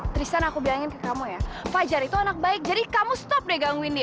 tristan aku bilangin ke kamu ya fajar itu anak baik jadi kamu stop deh gangguin nih